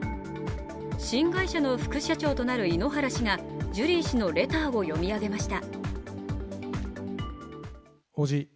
新会社の副社長となる井ノ原氏がジュリー氏のレターを読み上げました。